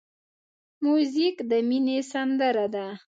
موزیک د مینې سندره ده.